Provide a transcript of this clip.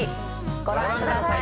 ご覧ください！